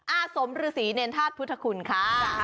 อาสมฤษีเนรธาตุพุทธคุณค่ะ